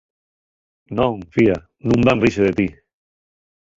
Non, fía, nun van rise de ti.